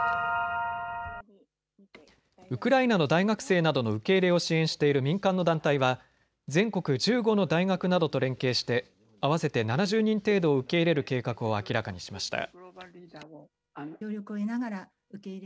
ウクライナの大学生などの受け入れを支援している民間の団体は全国１５の大学などと連携して合わせて７０人程度を受け入れる計画を明らかにしました。